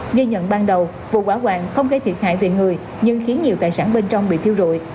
nghe nhận ban đầu vụ quả quản không gây thiệt hại về người nhưng khiến nhiều cải sản bên trong bị thiêu rụi